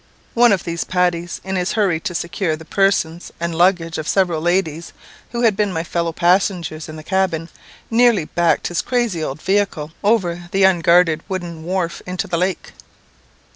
One of these Paddies, in his hurry to secure the persons and luggage of several ladies, who had been my fellow passengers in the cabin, nearly backed his crazy old vehicle over the unguarded wooden wharf into the lake.